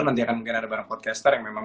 nanti akan ada bareng podcaster yang memang